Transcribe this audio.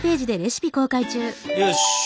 よし。